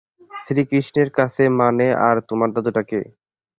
শ্রীকৃষ্ণের কাছে মানে আর তোমার দাদুটা কে?